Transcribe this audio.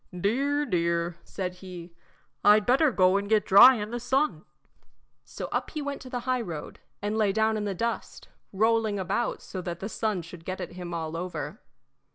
"Dear, dear," said he, "I'd better go and get dry in the sun." So up he went to the highroad, and lay down in the dust, rolling about so that the sun should get at him all over.